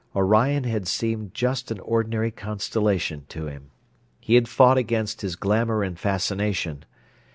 Orion had seemed just an ordinary constellation to him. He had fought against his glamour and fascination.